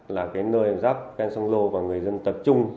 là cái nơi giáp ven sông lô và người dân tập trung